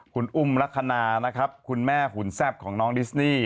คุณอุ้มลักษณะนะครับคุณแม่หุ่นแซ่บของน้องดิสนี่